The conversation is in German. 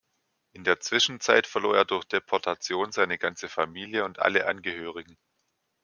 In der Zwischenzeit verlor er durch Deportation seine ganze Familie und alle Angehörigen.